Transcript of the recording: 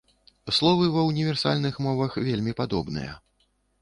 Словы ва універсальных мовах вельмі падобныя.